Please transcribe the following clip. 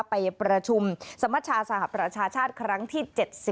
ไปประชุมสมชาสหประชาชาติครั้งที่๗๐